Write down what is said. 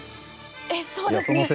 えそうですね。